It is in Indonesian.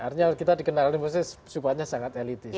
artinya kita dikenal oleh muslim sepertinya sangat elitis